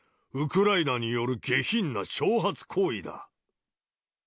ウクライナによる下品な挑発行為だ。